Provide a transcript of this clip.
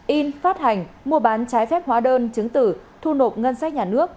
in phát hành mua bán trái phép hóa đơn chứng tử thu nộp ngân sách nhà nước